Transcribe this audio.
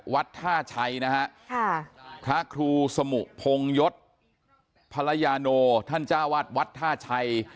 วัดท่าชัยพระครูสมุพงยศพระยาโนท่านเจ้าวาดวัดท่าชัย